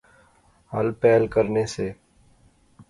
ہل پہل کرنے سے